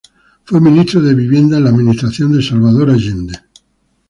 Fue ministro de vivienda en la administración de Salvador Allende.